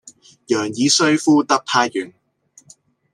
楊義瑞副特派員